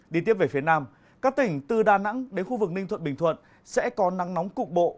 đi tiếp về phía nam các tỉnh từ đà nẵng đến khu vực ninh thuận bình thuận sẽ có nắng nóng cục bộ